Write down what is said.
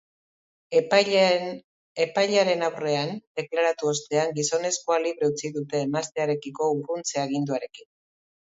Epailearen aurrean deklaratu ostean, gizonezkoa libre utzi dute emaztearekiko urruntze aginduarekin.